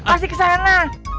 pasti ke sana